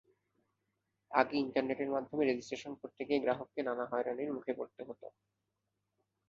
আগে ইন্টারনেটের মাধ্যমে রেজিস্ট্রেশন করতে গিয়ে গ্রাহককে নানা হয়রানির মুখে পড়তে হতো।